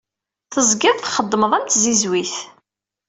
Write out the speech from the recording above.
Tezgiḍ txeddmeḍ am tzizwit.